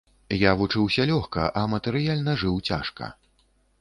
Я вучыўся лёгка, а матэрыяльна жыў цяжка.